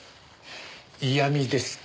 嫌みですか。